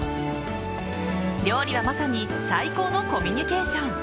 料理はまさに最高のコミュニケーション。